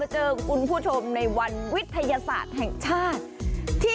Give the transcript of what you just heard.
เจอคุณผู้ชมในวันวิทยาศาสตร์แห่งชาติ